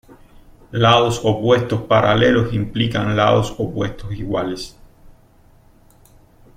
Lados opuestos paralelos implican lados opuestos iguales.